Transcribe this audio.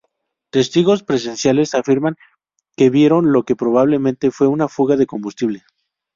Testigos presenciales afirman que vieron lo que probablemente fue una fuga de combustible.